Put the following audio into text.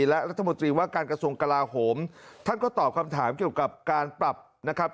และรัฐมนตรีว่าการกระทรวงกลาโหมท่านก็ตอบคำถามเกี่ยวกับการปรับนะครับ